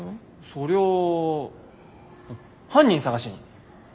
そりゃあ犯人捜しに。